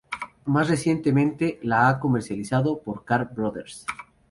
Más recientemente, la ha comercializado por Kar Brothers.